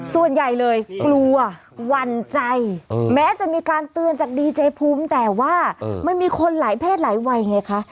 ส่วนใหญ่เลยกลัวหวั่นใจแม้จะมีการเตือนจากดีเจภูมิแต่ว่ามันมีคนหลายเพศหลายวัยไงคะ